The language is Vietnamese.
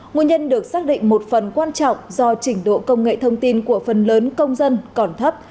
nguyên nhân được xác định một phần quan trọng do trình độ công nghệ thông tin của phần lớn công dân còn thấp